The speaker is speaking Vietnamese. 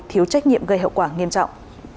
thiếu trách nhiệm gây hậu quả nghiêm trọng